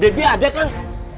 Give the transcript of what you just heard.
dewi ada kang